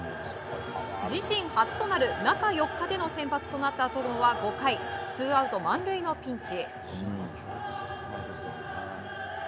自身初となる中４日での先発となった戸郷は５回ツーアウト満塁のピンチ。